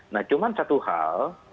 nah cuma satu hal